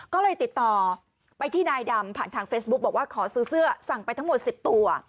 ก็เลยติดต่อไปที่นายดำผ่านทางเฟซบุ๊กบอกว่าขอซื้อเสื้อสั่งไปทั้งหมด๑๐ตัว